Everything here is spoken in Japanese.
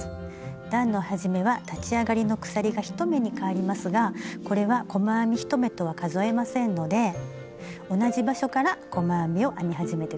段の始めは立ち上がりの鎖が１目にかわりますがこれは細編み１目とは数えませんので同じ場所から細編みを編み始めて下さいね。